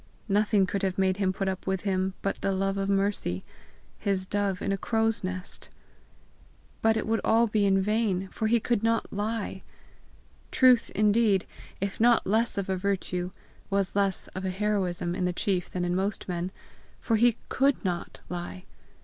Nothing could have made him put up with him but the love of Mercy, his dove in a crow's nest! But it would be all in vain, for he could not lie! Truth, indeed, if not less of a virtue, was less of a heroism in the chief than in most men, for he COULD NOT lie.